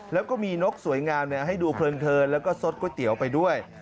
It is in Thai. แล้วก็มีนกสวยงามให้ดูเพลินแล้วก็สดก๋วยเตี๋ยวไปด้วย